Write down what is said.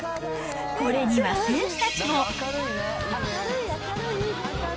これには選手たちも。